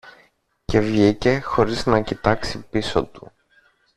Και βγήκε χωρίς να κοιτάξει πίσω του.